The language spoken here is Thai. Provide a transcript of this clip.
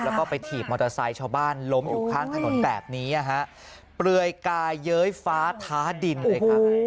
แล้วก็ไปถีบมอเตอร์ไซค์ชาวบ้านล้มอยู่ข้างถนนแบบนี้นะฮะเปลือยกายเย้ยฟ้าท้าดินเลยครับ